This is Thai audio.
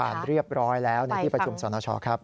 เรียบร้อยแล้วในที่ประชุมสรณชอครับ